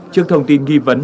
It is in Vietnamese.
trước thông tin ghi vấn